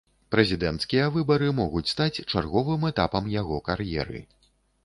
Прэзідэнцкія выбары могуць стаць чарговым этапам яго кар'еры.